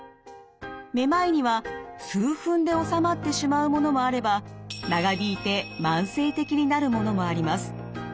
めまいには数分で治まってしまうものもあれば長引いて慢性的になるものもあります。